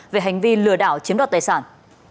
về hành vi lừa đảo chiếm đoạt tài sản